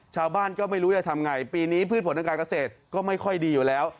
ชาวบ้านก็ไม่รู้จะทำไงปีนี้พืชผลทางการเกษตรก็ไม่ค่อยดีอยู่แล้ว